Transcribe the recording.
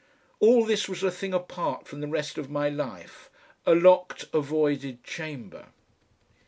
All this was a thing apart from the rest of my life, a locked avoided chamber....